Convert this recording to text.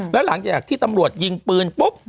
แล้วหลังจากที่ตำรวจยิงปืนปุ๊บ